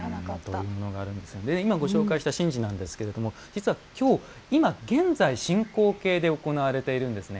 今、ご紹介した神事なんですけれども実は今日、今、現在進行形で行われているんですね。